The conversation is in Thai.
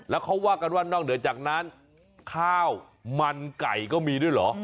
แล้วเขาว่ากันว่านอกเหนือจากนั้นข้าวมันไก่ก็มีด้วยเหรอ